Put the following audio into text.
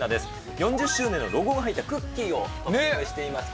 ４０周年のロゴが入ったクッキーがトッピングされています。